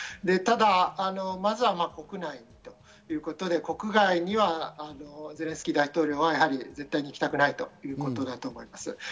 ただ、まずは国内ということで、国外にはゼレンスキー大統領は絶対に行きたくないということだと思います。